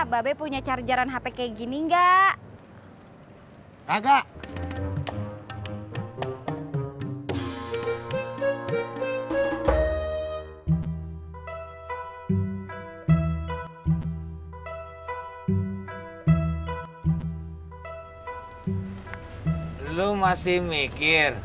pak be punya charger hp seperti ini tidak